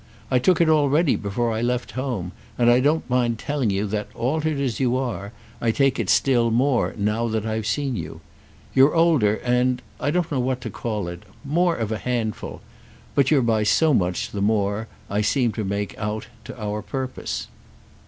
I took it already before I left home, and I don't mind telling you that, altered as you are, I take it still more now that I've seen you. You're older and—I don't know what to call it!—more of a handful; but you're by so much the more, I seem to make out, to our purpose."